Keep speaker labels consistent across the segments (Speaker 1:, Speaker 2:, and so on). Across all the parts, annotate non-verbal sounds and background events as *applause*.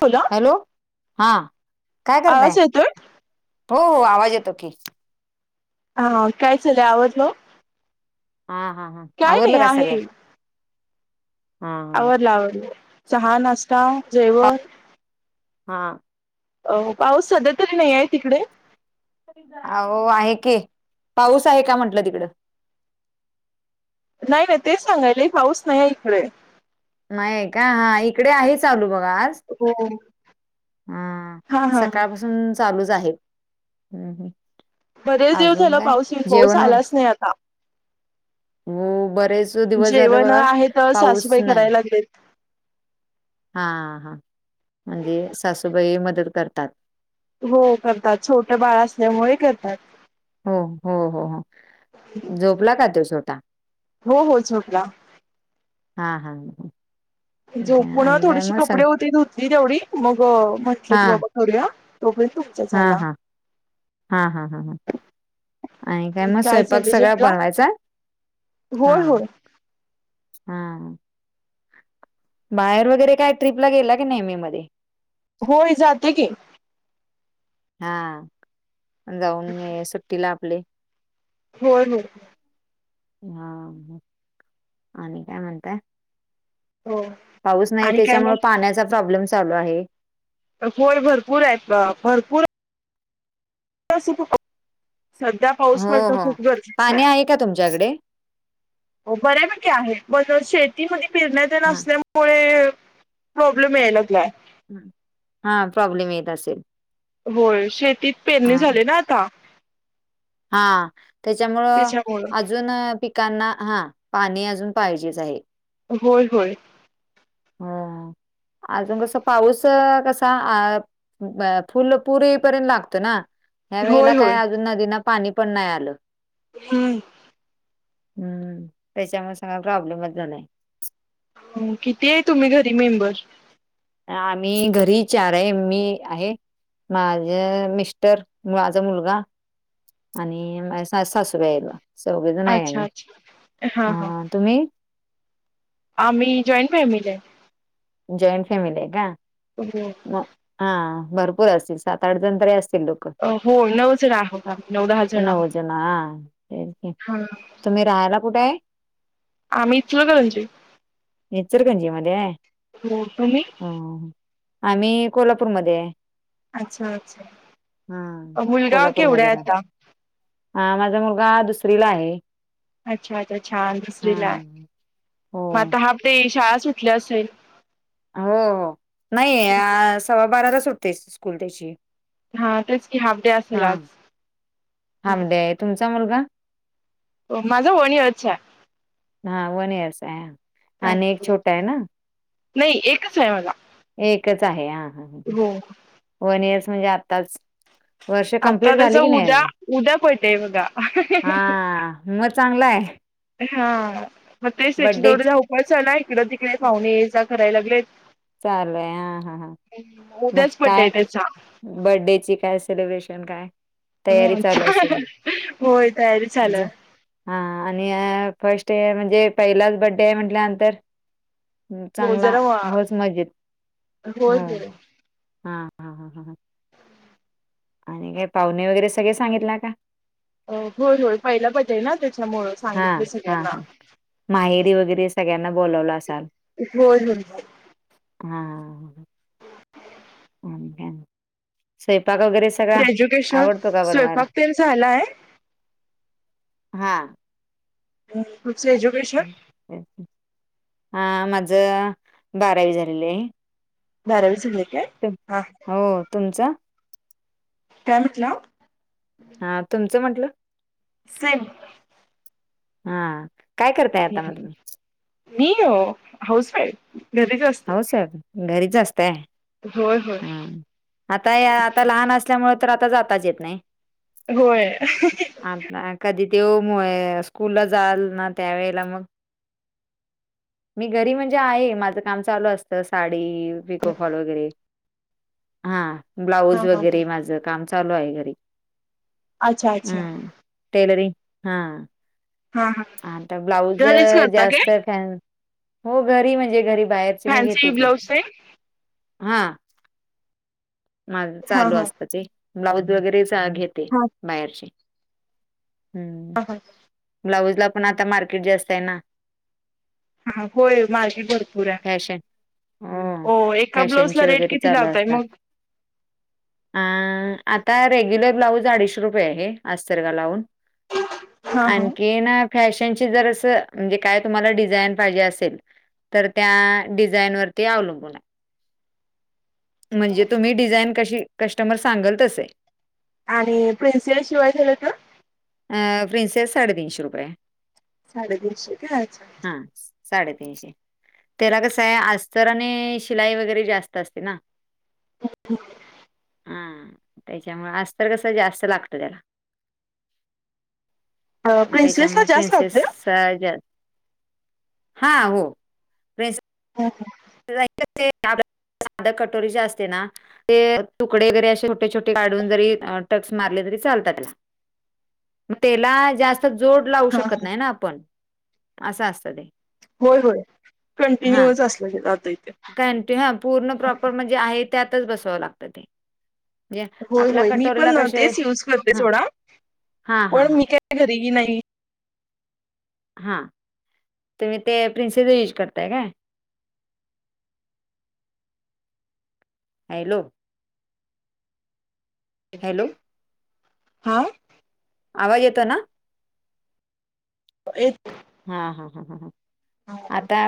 Speaker 1: फुलं?
Speaker 2: हॅलो. हा काय करताय?
Speaker 1: आवाज येतोय
Speaker 2: हो हो आवाज येतो की.
Speaker 1: हा काय चालय आवरल?
Speaker 2: हा हा हा.
Speaker 1: काय
Speaker 2: आवरलं
Speaker 1: नाही
Speaker 2: का सगळं
Speaker 1: आहे.
Speaker 2: हा
Speaker 1: आवरल आवरल. चहा, नाश्ता, जेवण?
Speaker 2: हा.
Speaker 1: अ पाऊस सध्या तरी नाही आहे. तिकडे?
Speaker 2: ओवो आहे की. पाऊस आहे का म्हटलं तिकडं?
Speaker 1: नाही नाही तेच सांगायले पाऊस नाही इकडे.
Speaker 2: नाही आहे का हा इकडे आहे चालू बघा आज.
Speaker 1: हो
Speaker 2: हा सकाळपासून चालूच आहे. हम्म हम्म.
Speaker 1: बरेच दिवस
Speaker 2: अजून
Speaker 1: झालं
Speaker 2: काय
Speaker 1: पाऊस येऊन,
Speaker 2: जेवण
Speaker 1: आलाच नाही आता.
Speaker 2: हो. बरेच दिवस झाल
Speaker 1: जेवण
Speaker 2: बघा
Speaker 1: आहे तर
Speaker 2: पाऊस
Speaker 1: सासूबाई
Speaker 2: नाही.
Speaker 1: करायला लागलेत
Speaker 2: हा हा. म्हणजे सासूबाई मदत करतात.
Speaker 1: हो करतात. छोटं बाळ असल्यामुळे करतात.
Speaker 2: हो हो हो हो. झोपला का तो छोटा?
Speaker 1: हो हो झोपला.
Speaker 2: हा हा. ठीक
Speaker 1: झो
Speaker 2: आहे
Speaker 1: पुन्हा
Speaker 2: आणि काय
Speaker 1: थोडीशी
Speaker 2: मग सग
Speaker 1: कपडे होती धुतली तेवढी मग म्हटलं की बाबा करूया अग तू
Speaker 2: हा हा. हा हा हा हा. आणि काय मग स्वयंपाक
Speaker 1: चाललंय
Speaker 2: सगळा
Speaker 1: जेवला
Speaker 2: बनवायचा? हा.
Speaker 1: होय होय
Speaker 2: हा. बाहेर वगैरे काय ट्रिपला गेला की नेहमी मे मध्ये?
Speaker 1: होय. जातो की.
Speaker 2: हा. जाऊन मी सुट्टीला आपले
Speaker 1: होय होय.
Speaker 2: हा, आणि काय म्हणताय?
Speaker 1: हो
Speaker 2: पाऊस नाही
Speaker 1: आणि काय
Speaker 2: त्याच्यामुळे
Speaker 1: मग
Speaker 2: पाण्याचा प्रॉब्लेम चालू आहे.
Speaker 1: होय भरपूर आहेत भरपूर *unintelligible* सध्या पाऊस
Speaker 2: हो,
Speaker 1: पडनं
Speaker 2: हो.
Speaker 1: खूप गरजेचं
Speaker 2: पाणी
Speaker 1: आहे.
Speaker 2: का तुमच्याकडे?
Speaker 1: हो बऱ्यापैकी आहेत, ब शेतीमध्ये पेरण्या अन ते
Speaker 2: हां,
Speaker 1: असल्या मुळे प्रॉब्लेम याय लागलाय.
Speaker 2: हम्म, हा प्रॉब्लेम येत असेल.
Speaker 1: होय, शेतीत पेरणी झाली ना आता.
Speaker 2: हा, त्याच्यामुळं अजून अ पिक कांना हा पाणी अजून पाहिजेच आहे.
Speaker 1: होय होय
Speaker 2: ह अजून कसं पाऊस अ कसा अ फुल पुर येई पर्यंत लागतं ना. ह्या वेळेला
Speaker 1: होय
Speaker 2: काय
Speaker 1: होय
Speaker 2: अजून नदीना पाणी पण नाही आलं.
Speaker 1: हम्म
Speaker 2: हम्म, त्याच्यामुळे सगळा प्रॉब्लेमच झाला आहे.
Speaker 1: हम्म, किती आहे तुम्ही घरी मेंबर?
Speaker 2: आम्ही घरी चार आहे, मी आहे माझं मिस्टर माझा मुलगा आणि माये सासू सासरे आहेत चौघेजण आहे
Speaker 1: अच्छा
Speaker 2: आम्ही,
Speaker 1: अच्छा हां
Speaker 2: अ
Speaker 1: हां
Speaker 2: तुम्ही?
Speaker 1: आम्ही जॉईंट फॅमिली आहे.
Speaker 2: जॉईंट फॅमिली आहे का?
Speaker 1: *unintelligible*
Speaker 2: ग हा भरपूर असतील, सात आठ जण तरी असतील लोक
Speaker 1: होय, नऊ जण आहोत आम्ही, नऊ दहा जण आहोत
Speaker 2: नऊ हा. तेच की.
Speaker 1: हा.
Speaker 2: तुम्ही राहायला कुठे आहे?
Speaker 1: आम्ही इचलकरंजी, हो. तुम्ही?
Speaker 2: हो, आम्ही कोल्हापूरमध्ये आहे.
Speaker 1: अच्छा अच्छा
Speaker 2: हा
Speaker 1: मुलगा केवढा
Speaker 2: कोल्हापूरमध्ये
Speaker 1: आहे
Speaker 2: रा
Speaker 1: आता?
Speaker 2: हा माझा मुलगा दुसरीला आहे.
Speaker 1: अच्छा अच्छा छान
Speaker 2: हा
Speaker 1: दुसरीला आहे,
Speaker 2: हो
Speaker 1: मग आता हाफ डे, शाळा सुटली असेल?
Speaker 2: हो हो, नाही अ सव्वा बाराला सुटते स्कूल त्याची.
Speaker 1: हा तेच की, हाफ डे असेल
Speaker 2: हा
Speaker 1: आज.
Speaker 2: हाफ डे आहे, तुमचा मुलगा?
Speaker 1: अ माझा वन इयर चा आहे.
Speaker 2: हा वन इयरचा आहे,
Speaker 1: आहे.
Speaker 2: आणि एक छोटा आहे ना?
Speaker 1: नाही एकच आहे मला.
Speaker 2: एकच आहे हा हम्म हम्म,
Speaker 1: हो
Speaker 2: वन इयरचा म्हणजे आताच वर्ष
Speaker 1: आता
Speaker 2: कम्प्लीट झाली
Speaker 1: त्याचा
Speaker 2: की नाही
Speaker 1: उद्या
Speaker 2: अजून?
Speaker 1: उद्या बड्डे बघा.
Speaker 2: हा. म चांगलाय.
Speaker 1: हा, मग तेच त्याची थोडी धावपळ चालूय, इकडं तिकडे पाहुणे ये जा करायला लागलेत.
Speaker 2: चालू आहे हा हा हा मग
Speaker 1: उद्याच बड्डे
Speaker 2: काय
Speaker 1: आहे त्याचा.
Speaker 2: बड्डेची काय सेलिब्रेशन काय? तयारी चालू
Speaker 1: हो,
Speaker 2: असेल.
Speaker 1: होय तयारी चालू हाय.
Speaker 2: हा आणि अ फर्स्ट म्हणजे पहिलाच बड्डे आहे म्हटल्यानंतर हम्म
Speaker 1: हो
Speaker 2: चांगला
Speaker 1: जरा होय
Speaker 2: होच मजेत हम्म
Speaker 1: होय.
Speaker 2: हा हा हा. आणि काय पाहुणे वगैरे सगळे सांगितला का?
Speaker 1: होय होय, पहिला बड्डे आहे ना त्याच्यामुळेच.
Speaker 2: हा हा, ह माहेरी वगैरे सगळ्यांना बोलवलं असाल?
Speaker 1: होय होय
Speaker 2: हा ह स्वयपाक वगैरे सगळा
Speaker 1: ग्रॅज्युकेशन
Speaker 2: आवडतो का बनवायला?
Speaker 1: स्वयंपाक तेन झालाय.
Speaker 2: हा
Speaker 1: हु जो
Speaker 2: हा माझ बारावी झालेलं आहे.
Speaker 1: बारावी झाले काय? हा
Speaker 2: हो तुमचा
Speaker 1: काय म्हणला?
Speaker 2: हा तुमचं म्हटलं.
Speaker 1: सम *unintelligible*
Speaker 2: हा काय करताय आता मग
Speaker 1: मी हो हाऊस वाईफ घरीच असते.
Speaker 2: हाऊस वाइफ घरीच असतं.
Speaker 1: होय होय
Speaker 2: आता या आता लहान असल्यामुळे तर आता जाताच येत नाही.
Speaker 1: होय
Speaker 2: आ कधी तेव स्कूलला जाल ना त्यावेेळेला मग मी घरी म्हणजे आहे माझं काम चालू असतं साडी पिकोफॉल वगैरे हा ब्लाऊज
Speaker 1: हा हा
Speaker 2: वगैरे माझं काम चालू आहे घरी
Speaker 1: अच्छा अच्छा
Speaker 2: हम्म टेलरिंग हा.
Speaker 1: हा हा
Speaker 2: आता ब्लाऊज
Speaker 1: घरीच करता काय
Speaker 2: जास्त फॅन हो घरी म्हणजे घरी बाहेर मी घेते
Speaker 1: फॅन्सी
Speaker 2: की
Speaker 1: ब्लाऊज ते
Speaker 2: माझ
Speaker 1: हा
Speaker 2: चालू
Speaker 1: हा
Speaker 2: असत ते ब्लाऊज वगैरे घेते.
Speaker 1: हा
Speaker 2: बाहेरचे.
Speaker 1: हा हा
Speaker 2: ब्लाऊज ला पण आता मार्केट जास्त आहे ना.
Speaker 1: हा होय मार्केट भरपूर हाय.
Speaker 2: फॅशन
Speaker 1: हो एका ब्लाऊजला
Speaker 2: फॅशनचे
Speaker 1: रेट
Speaker 2: वगैरे
Speaker 1: किती लावताय मग
Speaker 2: आ आता रेग्युलर ब्लाऊज अडीचशे रुपये आहे असतरला लावून.
Speaker 1: हा हा
Speaker 2: आणखी ना फॅशनची जर असं म्हणजे काय तुम्हाला डिझाईन पाहिजे असेल. तर त्या डिझाइन वरती अवलंबून म्हणजे तुम्ही डिझाईन कशी कस्टमर सांगेल तसे.
Speaker 1: आणि प्रिन्सेस शिवाय गेलं तर
Speaker 2: प्रिंसेस साडे तीनशे रुपये.
Speaker 1: साडे तीनशे घ्यायच.
Speaker 2: हा साडेतीनशे. त्याला कसं आहे अस्तर आणि शिलाई वगैरे जास्त असतय ना.
Speaker 1: ह
Speaker 2: हा त्याच्यामुळे अस्तर कस जास्त लागतं त्याला
Speaker 1: प्रिन्सेलेस ला जास्त लागलं.
Speaker 2: काय जा हो
Speaker 1: हो हो
Speaker 2: साध कटोरी च असते ना. ते तुकडे वगैरे असे छोटे छोटे काढून जरी टक्स मारले तरी चालतात. मग त्याला जास्त जोड लावू
Speaker 1: हा
Speaker 2: शकत
Speaker 1: हा
Speaker 2: नाही ना आपण असं असत ते
Speaker 1: होय होय कंटिन्यूच असलं गे जात इथे.
Speaker 2: काय त ह पूर्ण प्रॉपर म्हणजे आहे त्यातच बसावं लागतं ते म्हणजे
Speaker 1: होय
Speaker 2: आपला
Speaker 1: होय मी
Speaker 2: कटोरीला
Speaker 1: पण
Speaker 2: कसे
Speaker 1: तेच यूज करते
Speaker 2: हा
Speaker 1: सोडा
Speaker 2: हा हा
Speaker 1: पण
Speaker 2: हा
Speaker 1: मी काय घरीही नाही.
Speaker 2: हा तुम्ही ते प्रिन्सेस युज करताय काय? हॅलो हॅलो
Speaker 1: हा
Speaker 2: आवाज येतोय ना
Speaker 1: एक
Speaker 2: हा हा ह ह आता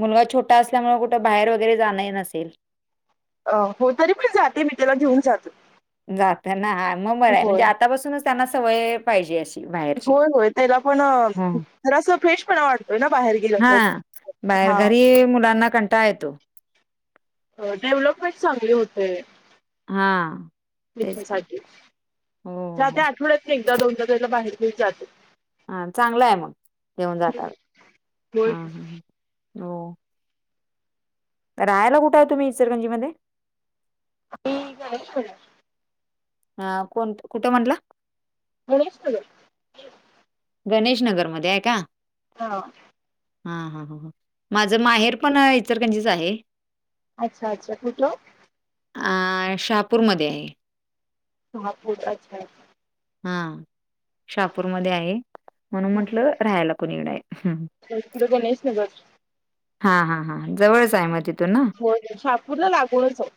Speaker 2: मुलगा छोटा असल्यामुळे कुठं बाहेर वगैरे जाणं नसेल
Speaker 1: अ हो तरी पण जाते मी त्याला घेऊन जातो
Speaker 2: जात ना मग बरं आहे म्हणजे
Speaker 1: होय
Speaker 2: आतापासूनच त्यांना सवय पाहिजे अशी बाहेरची
Speaker 1: होय होय त्याला पण
Speaker 2: हम्म.
Speaker 1: जरस फ्रेश पण आवडतय ना बाहेर गेलं तर
Speaker 2: हा बाहेर
Speaker 1: हा
Speaker 2: घरी मुलांना कंटाळा टाळा येतो
Speaker 1: डेव्हलपमेंट चांगली होते
Speaker 2: हा. तेच
Speaker 1: त्या
Speaker 2: की हो हो
Speaker 1: आठवड्यात एकदा दोनदा त्याला बाहेर घेऊन जातो
Speaker 2: हा चांगलं आहे मग घेऊन जाता ह
Speaker 1: होय
Speaker 2: ह हो राहायला कुठे आहे तुम्ही इचरगंजीमध्ये
Speaker 1: मी गणेश नगर ला
Speaker 2: हा कोण कुठे म्हटलं
Speaker 1: गणेशनगर
Speaker 2: गणेश नगरमध्ये आहे का
Speaker 1: हां
Speaker 2: हा हा ह माझं माहेर पण इचालकरंजीच आहे
Speaker 1: अच्छा अच्छा कुठो
Speaker 2: अ शहापूरमध्ये आहे
Speaker 1: शहापूर अच्छा
Speaker 2: हा शहापूरमध्ये आहे म्हणून म्हंटलं राहायला कोणी कडे आहे
Speaker 1: गणेश नगर
Speaker 2: हा हा हां जवळच आहे मग तिथ
Speaker 1: हो शापूरला लागूनच हौ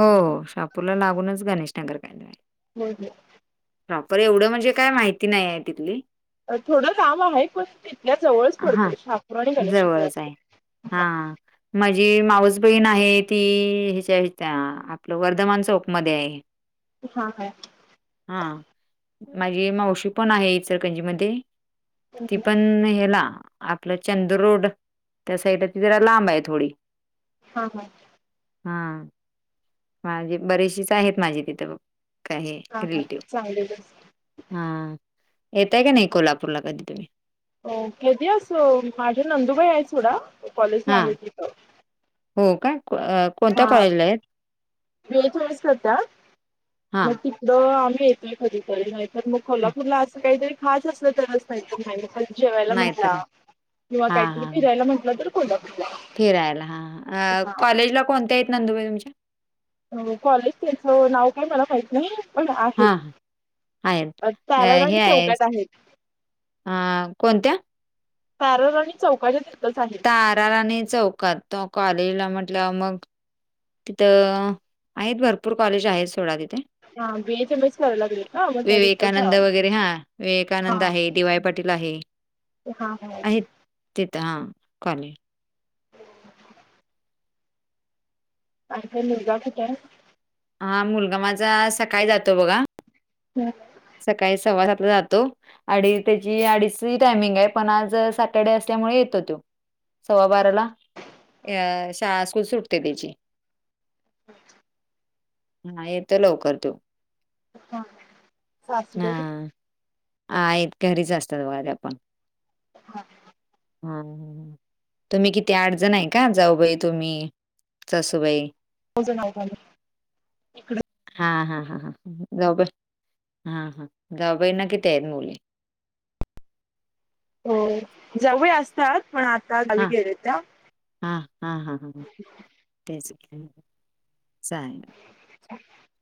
Speaker 2: हो शापूरला लागूनच गणेश नागर काय आहे
Speaker 1: हो हो
Speaker 2: प्रॉपर एवढं म्हणजे काय माहिती नाही आहे तिथली
Speaker 1: थोडं लांब आहे पण तिथल्या जवळच
Speaker 2: हां.
Speaker 1: पडतोय ठाकूर आणि गणेशार असते
Speaker 2: हा माझी मावस बहीण आहे ती ह्याच्या आपलं वर्धमान चौकमध्येध्ये आहे *inaudible*
Speaker 1: हा हा
Speaker 2: हा माझी मावशी पण आहे इचलकरंजी मध्ये ती पण हेला आपलं चंद्र रोड त्या साइड त जरा लांब आहे थोडी
Speaker 1: हां हां
Speaker 2: हा, *inaudible* बरीेचशी आहेत माझी तिथं काही
Speaker 1: हा हा
Speaker 2: रिलेटिव्ह
Speaker 1: चांगलेलच.
Speaker 2: हा, येताय का नाही कोल्हापूरला कधी तुम्ही
Speaker 1: किती असो माझ्या नंदुबाई आहे स्वरा, कॉलेजला
Speaker 2: हां.
Speaker 1: आहे तिथं
Speaker 2: हो का, *inaudible* कोणत्या कॉलेजला आहेत
Speaker 1: रोज रोज करता
Speaker 2: हां,
Speaker 1: नक्की द आम्ही येतोय कधीतरी नाहीतर मग
Speaker 2: हां.
Speaker 1: कोल्हापूरला असं काहीतरी खास असलं तरच नाहीत मा जेवायला
Speaker 2: नाहीतर
Speaker 1: म्हटला
Speaker 2: नाही.
Speaker 1: किंवा
Speaker 2: हां,
Speaker 1: काहीतरी
Speaker 2: हां, हां.
Speaker 1: फिरायला म्हटलं तर कोल्हापूरला
Speaker 2: फिरायला हा कॉलेजला कोणते आहेत नंदुबा तुमची
Speaker 1: हो कॉलेज त्याचं नाव काय मला माहित नाहीय. पण आहेत
Speaker 2: हां, हां. आहेत. अ,
Speaker 1: तारा राणी चौकात आहेत.
Speaker 2: हा कोणत्या?
Speaker 1: ताराराणी चौकाच्या. तिथंच आहेत.
Speaker 2: तारार आणि चौकात तो कॉलेजला म्हटलं मग तिथं, आहेत भरपूर कॉलेज आहेत सोडा तिथे.
Speaker 1: हा बीएच एम एस करायला लागलेत ना मग त्या तिथंच
Speaker 2: विवेकानंद
Speaker 1: आहे.
Speaker 2: वगैरे हा, विवेकानंद आहे देवाय पट तिला हे.
Speaker 1: हां, हो.
Speaker 2: तिथं हा कॉले.
Speaker 1: *inaudible* मुलगा कुठेय?
Speaker 2: हा मुलगा माझा, सकाळी जातो बघा.
Speaker 1: हा.
Speaker 2: सकाळी सव्वा सातला जातो. आणि त्याची अडीच ची टायमिंग आहे पण आज सॅटर्डे असल्यामुळे येतो तो सव्वा बाराला, शाळा स्कूल सुटते तिची
Speaker 1: *inaudible*
Speaker 2: हा येतो लवकर तो
Speaker 1: हा सासूबाई.
Speaker 2: आई घरीच जास्त वाऱ्या आपण
Speaker 1: *inaudible*
Speaker 2: हां, हम. तुम्ही किती आठजण आहे का? जाऊ बाई, तुम्ही सासूबाई.
Speaker 1: वजन आव झालं.
Speaker 2: *inaudible* हा-हा-हा-हा. जाऊ बाईंना किती आहेत मुले
Speaker 1: हो जाऊ बाई असतात, पण आता गावी गेले त्या
Speaker 2: हां हां हां हां हां तेच की चालेल.
Speaker 1: *inaudible*